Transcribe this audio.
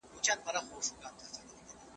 مطالعه انسان ته استدلال ور زده کوي.